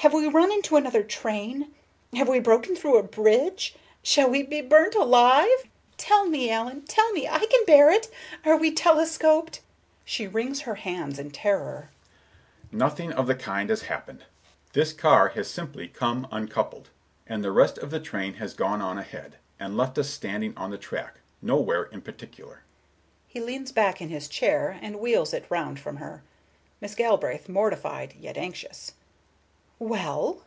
Have we run into another train? Have we broken through a bridge? Shall we be burnt alive? Tell me, Allen, tell me,—I can bear it!—are we telescoped?" She wrings her hands in terror. Mr. Richards, unsympathetically: "Nothing of the kind has happened. This car has simply come uncoupled, and the rest of the train has gone on ahead, and left us standing on the track, nowhere in particular." He leans back in his chair, and wheels it round from her. Miss Galbraith, mortified, yet anxious: "Well?"